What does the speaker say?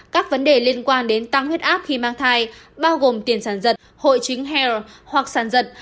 các vấn đề liên quan đến tăng huyết áp khi mang thai bao gồm tiền sản dật hội chính hair hoặc sản dật